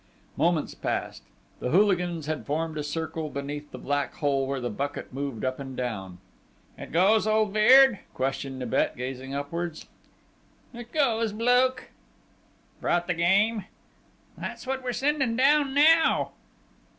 Moments passed. The hooligans had formed a circle beneath the black hole where the bucket moved up and down. "It goes, old Beard?" questioned Nibet, gazing upwards. "It goes, old bloke!" "Brought the game?" "That's what we're sending down now!..."